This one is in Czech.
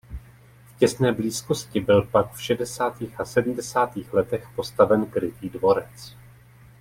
V těsné blízkosti byl pak v šedesátých a sedmdesátých letech postaven krytý dvorec.